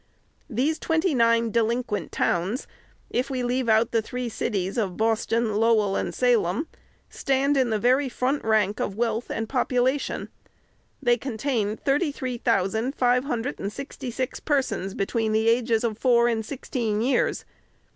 These twenty nine delinquent towns, if we leave out the three cities of Boston. Lowell, and Salem, stand in the very front rank of wealth and population. They contain thirty three thousand five hundred and sixty six persons between the ages of four and sixteen years.